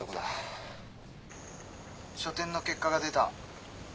書展の結果が出た。